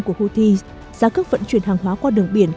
của houthi giá cước vận chuyển hàng hóa qua đường biển